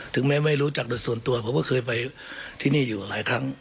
ถึงแม้ไม่รู้จักโดยส่วนตัวผมก็เคยไปที่นี่อยู่หลายครั้ง